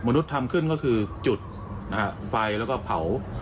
ทำขึ้นก็คือจุดไฟแล้วก็เผา